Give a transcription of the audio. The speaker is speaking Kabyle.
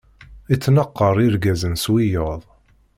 Ittnaqaṛ irgazen s wiyaḍ.